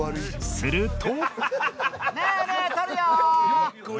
すると。